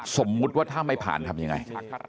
สมมุติว่าถ้าไม่ผ่านทำยังไง